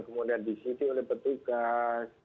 kemudian disiti oleh petugas